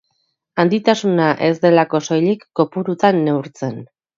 Handitasuna ez delako soilik kopurutan neurtzen.